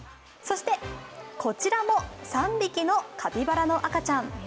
こちらも３匹のカピバラの赤ちゃん。